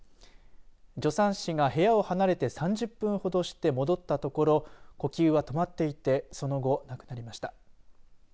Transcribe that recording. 助産師が部屋を離れて３０分ほどして戻ったところ呼吸が止まっていてその後、亡くなりました。